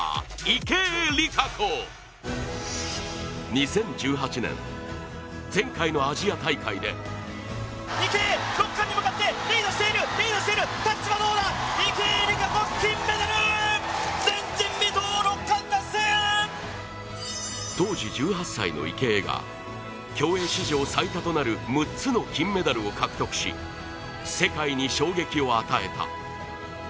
２０１８年、前回のアジア大会で当時１８歳の池江が、競泳史上最多となる６つの金メダルを獲得し世界に衝撃を与えた。